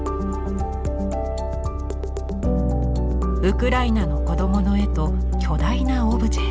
ウクライナの子どもの絵と巨大なオブジェ。